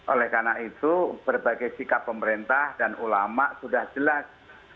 oleh karena itu berbagai sikap pemerintah dan ulama sudah jelas